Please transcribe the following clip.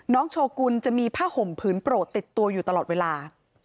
โชกุลจะมีผ้าห่มผืนโปรดติดตัวอยู่ตลอดเวลา